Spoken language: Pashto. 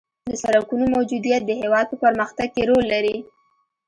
د سرکونو موجودیت د هېواد په پرمختګ کې رول لري